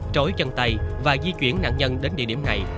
trối chân tay và di chuyển nạn nhân đến địa điểm này